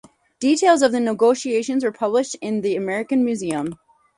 Details of the negotiations were published in "The American Museum".